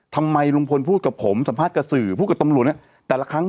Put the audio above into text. ทำไมลุงพลพูดกับผมสัมภาษณ์กับสื่อพูดกับตำรวจเนี่ยแต่ละครั้ง